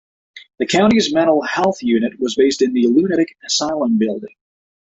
The county's mental health unit was based in the 'Lunatic Asylum Building'.